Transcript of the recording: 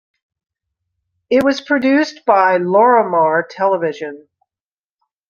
It was produced by Lorimar Television.